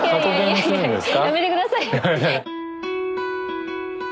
やめてください。